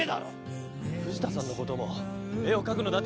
藤田さんのことも絵を描くのだって。